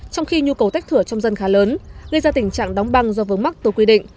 trong khi nhu cầu tách thửa trong dân khá lớn gây ra tình trạng đóng băng do vướng mắt từ quy định